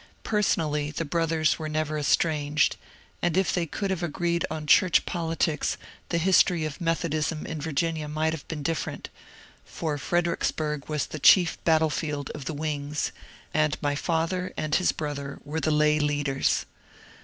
Personally the brothers were never estranged, and if they could have agreed on church politics the history of Methodism in Vir ginia might have been different ; for Fredericksburg was the chief battlefield of the ^' wings," and my father and his brother were the lay leaders.